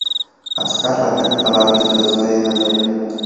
عسکر راته کتل او هېڅ زړه سوی یې نه درلود